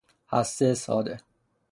هسته ساده